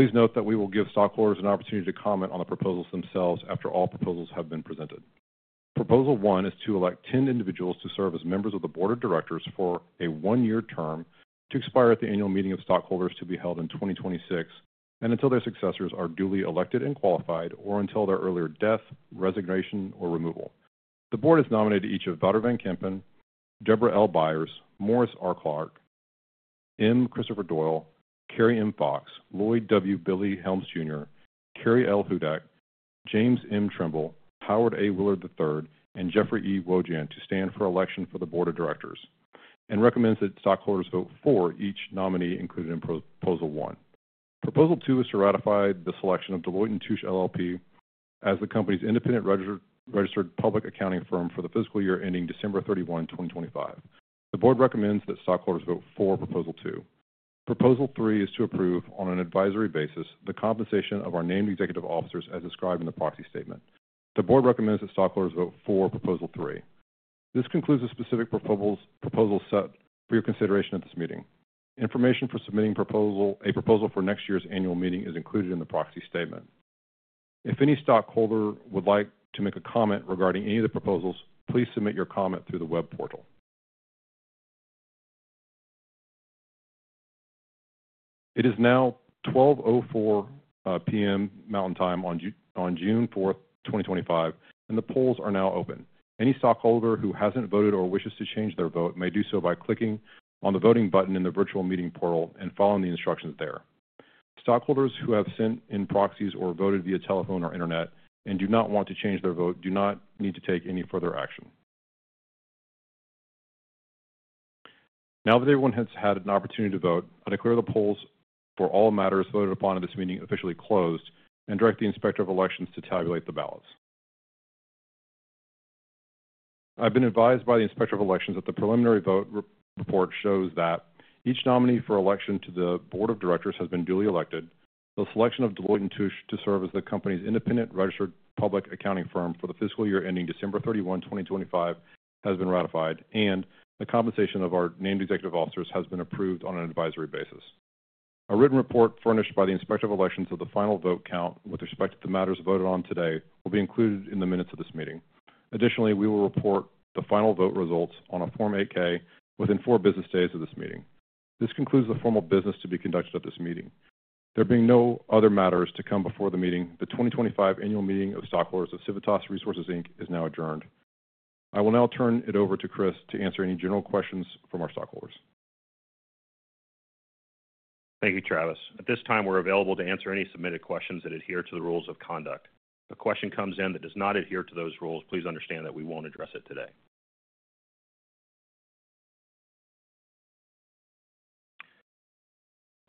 One. Please note that we will give stockholders an opportunity to comment on the proposals themselves after all proposals have been presented. Proposal one is to elect 10 individuals to serve as members of the board of directors for a one-year term to expire at the annual meeting of stockholders to be held in 2026, and until their successors are duly elected and qualified, or until their earlier death, resignation, or removal. The board has nominated each of Wouter van Kempen, Deborah L. Byers, Morris R. Clark, M. Christopher Doyle, Carrie M. Fox, Lloyd W. Billy Helms Jr., Carrie L. Hudak, James M. Trimble, Howard A. Willard III, and Jeffrey E. Wojahn to stand for election for the board of directors, and recommends that stockholders vote for each nominee included in proposal one. Proposal two is to ratify the selection of Deloitte & Touche LLP as the company's independent registered public accounting firm for the fiscal year ending December 31, 2025. The board recommends that stockholders vote for proposal two. Proposal three is to approve, on an advisory basis, the compensation of our named executive officers as described in the proxy statement. The board recommends that stockholders vote for proposal three. This concludes the specific proposal set for your consideration at this meeting. Information for submitting a proposal for next year's annual meeting is included in the proxy statement. If any stockholder would like to make a comment regarding any of the proposals, please submit your comment through the web portal. It is now 12:04 P.M. Mountain Time on June 4, 2025, and the polls are now open. Any stockholder who hasn't voted or wishes to change their vote may do so by clicking on the voting button in the virtual meeting portal and following the instructions there. Stockholders who have sent in proxies or voted via telephone or internet and do not want to change their vote do not need to take any further action. Now that everyone has had an opportunity to vote, I declare the polls for all matters voted upon at this meeting officially closed and direct the inspector of elections to tabulate the ballots. I've been advised by the inspector of elections that the preliminary vote report shows that each nominee for election to the board of directors has been duly elected, the selection of Deloitte & Touche to serve as the company's independent registered public accounting firm for the fiscal year ending December 31, 2025, has been ratified, and the compensation of our named executive officers has been approved on an advisory basis. A written report furnished by the inspector of elections of the final vote count with respect to the matters voted on today will be included in the minutes of this meeting. Additionally, we will report the final vote results on a Form 8-K within four business days of this meeting. This concludes the formal business to be conducted at this meeting. There being no other matters to come before the meeting, the 2025 annual meeting of stockholders of Civitas Resources is now adjourned. I will now turn it over to Chris to answer any general questions from our stockholders. Thank you, Travis. At this time, we're available to answer any submitted questions that adhere to the rules of conduct. If a question comes in that does not adhere to those rules, please understand that we won't address it today.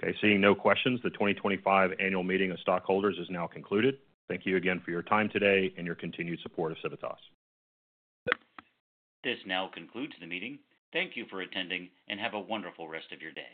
Okay, seeing no questions, the 2025 annual meeting of stockholders is now concluded. Thank you again for your time today and your continued support of Civitas. This now concludes the meeting. Thank you for attending and have a wonderful rest of your day.